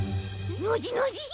ノジノジ！